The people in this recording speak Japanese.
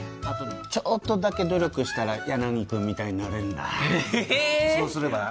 あとちょっとだけ努力したら柳くんみたいになれるな。